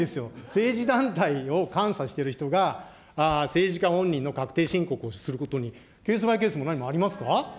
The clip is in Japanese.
政治団体を監査している人が、政治家本人の確定申告をすることに、ケースバイケースも何もありますか。